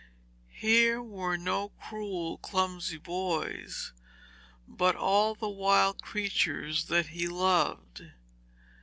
Here were no cruel, clumsy boys, but all the wild creatures that he loved.